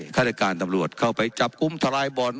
ขจะได้การตำรวจเข้าไปจับกุมทรายบ่อน